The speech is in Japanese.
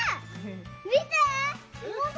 見て！